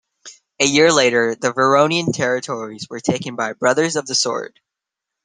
A year later the Vironian territories were taken by Brothers of the Sword.